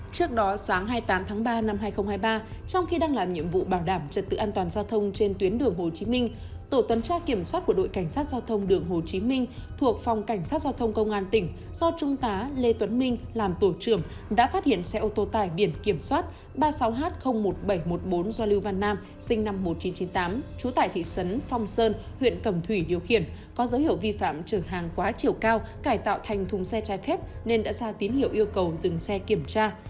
trước đó sáng hai mươi tám tháng ba năm hai nghìn hai mươi ba trong khi đang làm nhiệm vụ bảo đảm trật tự an toàn giao thông trên tuyến đường hồ chí minh tổ tuấn tra kiểm soát của đội cảnh sát giao thông đường hồ chí minh thuộc phòng cảnh sát giao thông công an tỉnh do trung tá lê tuấn minh làm tổ trưởng đã phát hiện xe ô tô tải biển kiểm soát ba mươi sáu h một nghìn bảy trăm một mươi bốn do lưu văn nam sinh năm một nghìn chín trăm chín mươi tám trú tại thị trấn phong sơn huyện cầm thủy điều khiển có dấu hiệu vi phạm trường hàng quá chiều cao cải tạo thành thùng xe chai phép nên đã ra tín hiệu yêu cầu dừng xe kiểm soát